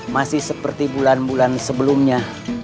masih seperti bulan bulan sebelumnya